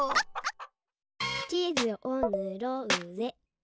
「ちずをぬろーぜ」